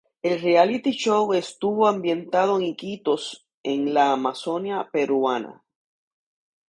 El reality show estuvo ambientado en Iquitos, en la Amazonia peruana.